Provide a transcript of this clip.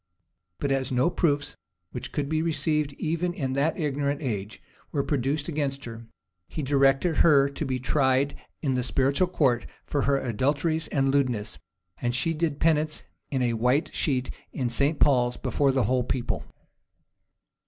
But as no proofs, which could be received even in that ignorant age, were produced against her, he directed her to be tried in the spiritual court for her adulteries and lewdness; and she did penance in a white sheet in St. Paul's, before the whole people.